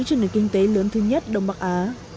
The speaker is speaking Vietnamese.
cho nền kinh tế lớn thứ nhất đông bắc á